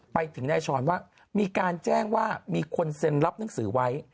ไปถึงนายชรว่ามีการแจ้งว่ามีคนเซ็นรับหนังสือไว้